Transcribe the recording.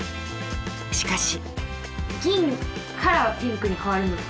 しかし。